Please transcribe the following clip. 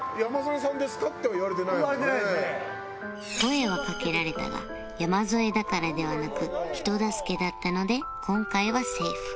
でも声はかけられたが山添だからではなく人助けだったので今回はセーフ